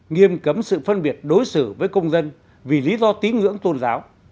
nghiêm cấm sự phân biệt đối xử với công dân vì lý do tín ngưỡng tôn giáo